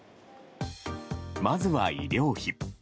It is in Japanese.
まずは、医療費。